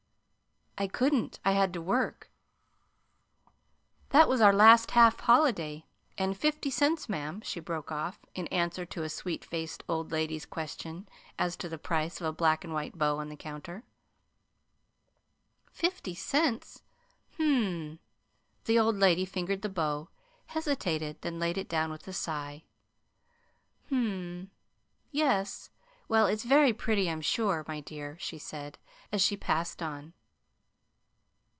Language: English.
"I couldn't. I had to work. That was our last half holiday, and Fifty cents, madam," she broke off, in answer to a sweet faced old lady's question as to the price of a black and white bow on the counter. "Fifty cents? Hm m!" The old lady fingered the bow, hesitated, then laid it down with a sigh. "Hm, yes; well, it's very pretty, I'm sure, my dear," she said, as she passed on.